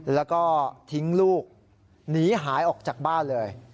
แล้วก็ทิ้งลูกหนีหายออกจากบ้านเลย